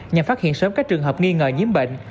nhằm phát hiện sớm các trường hợp nghi ngờ nhiễm bệnh